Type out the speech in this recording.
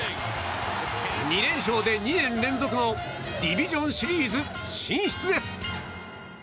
２連勝で２年連続のディビジョンシリーズ進出です。